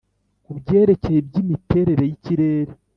ku byerekeye iby'imiterere y'ikirere,